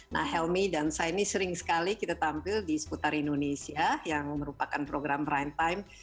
nah helmy dan saini sering sekali kita tampil di seputar indonesia yang merupakan program prime time